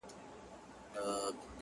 هغه شپه مي ټوله سندريزه وه؛